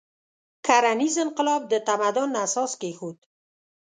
کرنیز انقلاب د تمدن اساس کېښود.